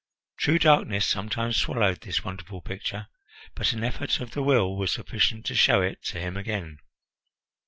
True, darkness sometimes swallowed this wonderful picture, but an effort of the will was sufficient to show it to him again.